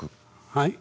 はい？